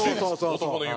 男の夢。